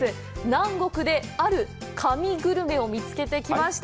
南国である神グルメを見つけてきました。